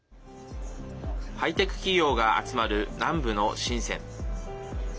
ハイテク企業が集まる南部の深セン。